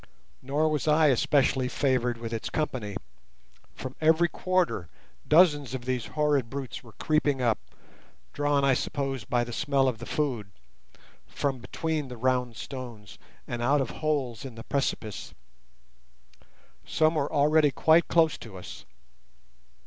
Nor was I especially favoured with its company. From every quarter dozens of these horrid brutes were creeping up, drawn, I suppose, by the smell of the food, from between the round stones and out of holes in the precipice. Some were already quite close to us.